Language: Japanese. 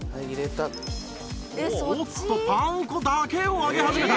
おっとパン粉だけを揚げ始めた